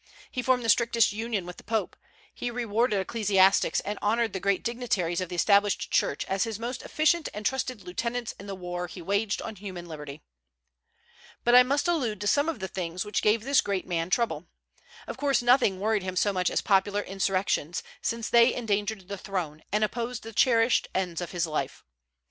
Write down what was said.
He formed the strictest union with the Pope. He rewarded ecclesiastics, and honored the great dignitaries of the established church as his most efficient and trusted lieutenants in the war he waged on human liberty. But I must allude to some of the things which gave this great man trouble. Of course nothing worried him so much as popular insurrections, since they endangered the throne, and opposed the cherished ends of his life.